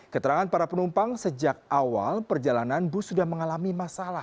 keterangan para penumpang sejak awal perjalanan bus sudah mengalami masalah